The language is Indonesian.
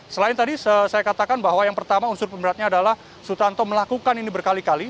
selain tadi saya katakan bahwa yang pertama unsur pemberatnya adalah sutanto melakukan ini berkali kali